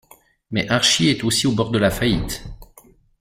Mais Archie est aussi au bord de la faillite.